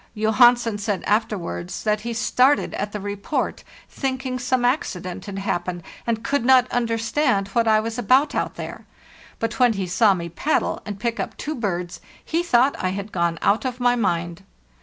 Johansen said afterwards that he started at the report, thinking some accident had happened, and could not un derstand what I was about out there, but when he saw me paddle and pick up two birds he thought I had gone out of my mind.